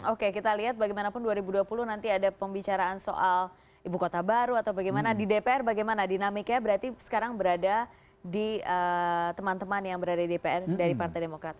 oke kita lihat bagaimanapun dua ribu dua puluh nanti ada pembicaraan soal ibu kota baru atau bagaimana di dpr bagaimana dinamiknya berarti sekarang berada di teman teman yang berada di partai demokrat